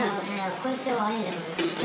こいつが悪いんだけど。